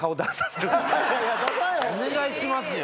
お願いしますよ。